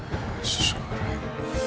masuk ke dalam